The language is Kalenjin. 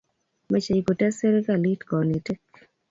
Mechei kutes serikalit konetik